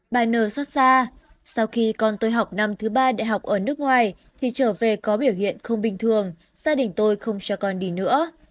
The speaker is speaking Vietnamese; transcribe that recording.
bài nờ xót xa sau khi con tôi học năm thứ ba đại học ở nước ngoài thì trở về có biểu hiện không bình thường gia đình tôi không cho con đi nữa